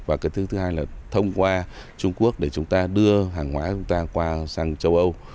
và cái thứ hai là thông qua trung quốc để chúng ta đưa hàng hóa chúng ta qua sang châu âu